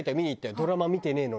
ドラマ見てねえのに。